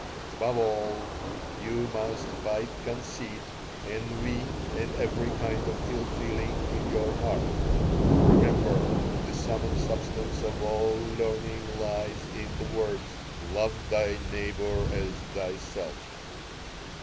Above all, you must fight conceit, envy, and every kind of ill feeling in your heart. Remember, the sum and substance of all learning lies in the words, 'Love thy neighbor as thyself.'